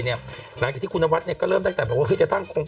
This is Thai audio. เนี่ยหลังจากที่คุณนวัดเนี่ยก็เริ่มตั้งแต่แบบว่าเราคือจะ